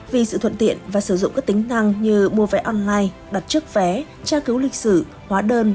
vì sự thuận tiện và sử dụng các tính năng như mua vé online đặt trước vé tra cứu lịch sử hóa đơn